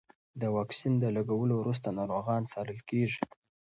د واکسین د لګولو وروسته ناروغان څارل کېږي.